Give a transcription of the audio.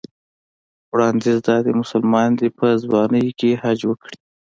وړاندیز دا دی مسلمان دې په ځوانۍ حج وکړي.